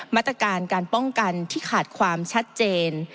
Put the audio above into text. มาตรการการป้องกันที่ขาดความชัดเจน